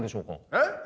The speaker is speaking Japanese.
えっ？